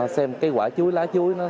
xem cái quả chuối lá chuối nó tốt